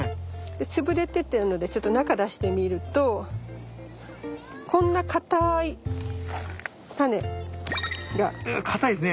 で潰れてるのでちょっと中出してみるとこんなかたいタネが。うわかたいっすね。